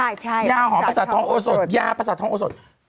ยาหอมประสาททองโอสสยาประสาททองโอสส